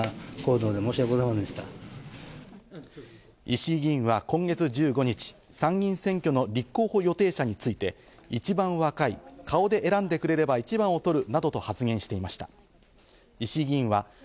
石井議員は今月１５日、参議院選挙の立候補予定者について、一番若い、顔で選んでくれれば一番を取るなどと発言していました。